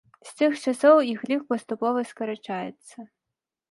З тых часоў іх лік паступова скарачаецца.